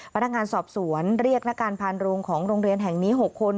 พนักงานสอบสวนเรียกนักการพานโรงของโรงเรียนแห่งนี้๖คน